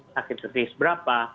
sakit setis berapa